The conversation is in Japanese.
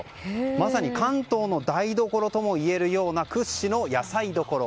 まさに関東の台所ともいえるような屈指の野菜どころ。